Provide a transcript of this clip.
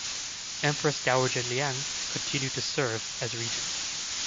Empress Dowager Liang continued to serve as regent.